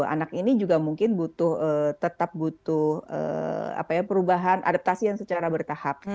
anak ini juga mungkin tetap butuh perubahan adaptasi yang secara bertahap